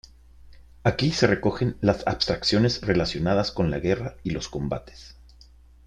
Aquí se recogen las abstracciones relacionadas con la guerra y los combates.